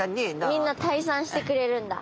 みんな退散してくれるんだ。